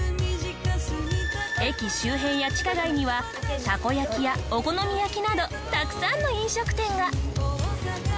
駅周辺や地下街にはたこ焼きやお好み焼きなどたくさんの飲食店が。